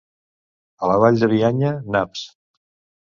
A la Vall de Bianya, naps.